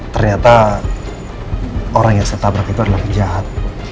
ternyata orang yang saya nabrak itu adalah kejahat